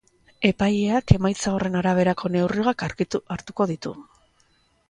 Epaileak emaitza horren araberako neurriak hartuko ditu.